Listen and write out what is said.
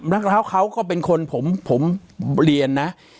แล้วเขาก็เป็นคนผมเรียนนะ